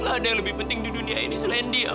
ada yang lebih penting di dunia ini selain dia